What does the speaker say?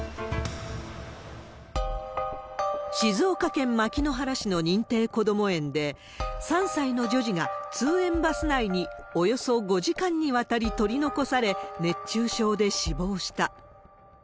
静岡県牧之原市の認定こども園で、３歳の女児が通園バス内におよそ５時間にわたり取り残され、熱中症で死亡した。